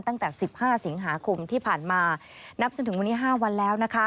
ตั้งแต่๑๕สิงหาคมที่ผ่านมานับถึง๕วันแล้ว